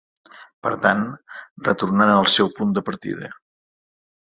Per tant, retornant al seu punt de partida.